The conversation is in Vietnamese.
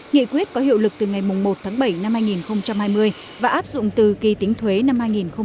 nghị quyết có hiệu lực từ ngày một tháng bảy năm hai nghìn hai mươi và áp dụng từ kỳ tính thuế năm hai nghìn hai mươi